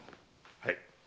はい。